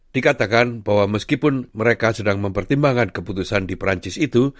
dikatakan bahwa meskipun mereka sedang mempertimbangkan keputusan di perancis itu